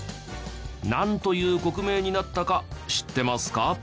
なんという国名になったか知ってますか？